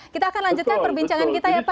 kita akan lanjutkan perbincangan kita ya pak